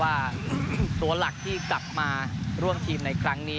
ว่าตัวหลักที่กลับมาร่วมทีมในครั้งนี้